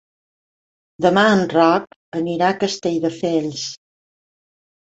Demà en Roc anirà a Castelldefels.